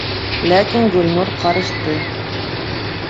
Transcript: Ләкин Гөлнур ҡарышты: